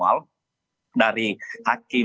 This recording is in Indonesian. jadi tentu juga kita mengharapkan ada inisiasi yang maksimum